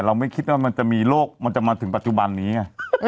ไม่คิดว่ามันจะมีโรคมันจะมาถึงปัจจุบันนี้ไง